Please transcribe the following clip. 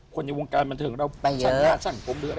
คนในวงการบันเทิงเราไปเยอะ